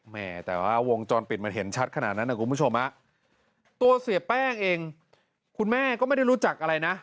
แม่แต่ว่าวงจรปิดมันเห็นชัดขนาดนั้นนะคุณผู้ชมฮะตัวเสียแป้งเองคุณแม่ก็ไม่ได้รู้จักอะไรนะ